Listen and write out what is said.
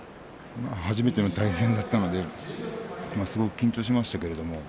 初めての対戦でしたのですごく緊張しました。